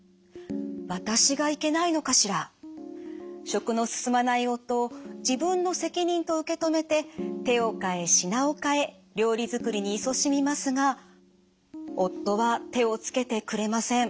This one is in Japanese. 食の進まない夫を自分の責任と受け止めて手を替え品を替え料理作りにいそしみますが夫は手をつけてくれません。